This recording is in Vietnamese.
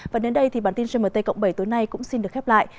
và đến đây thì bản tin gmt cộng bảy tối nay cũng xin được khép lại